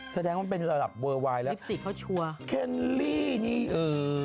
แสดงว่าเป็นระดับเวอร์ไวน์แล้วแบบนี้เอออายุ๔๘